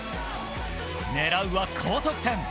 狙うは高得点。